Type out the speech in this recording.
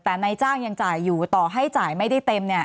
แต่นายจ้างยังจ่ายอยู่ต่อให้จ่ายไม่ได้เต็มเนี่ย